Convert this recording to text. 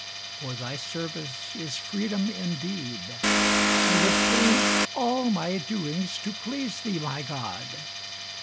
For thy service is freedom indeed. I would frame all my doings to please thee, my God!